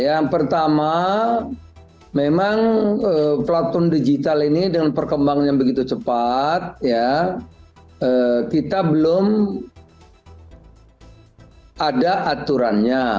yang pertama memang pelatun digital ini dengan perkembangannya begitu cepat kita belum ada aturannya